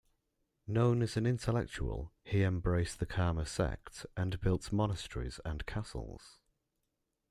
Known as an intellectual, he embraced the Karma sect and built monasteries and castles.